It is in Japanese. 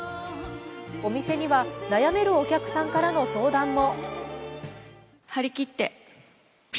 お店には悩めるお客さんからの相談も。